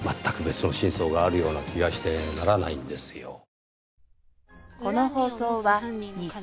全く別の真相があるような気がしてならないんですよ。